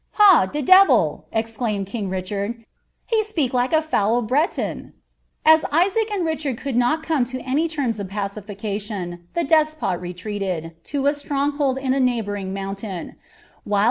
!l,i? de dehil."' exclaimed king Richard, ^he speke like a fole ■ l «ac and Richard could not come to any terms of pacification, the 'X retreated, to a stronghold in a neighbouring mountain ; while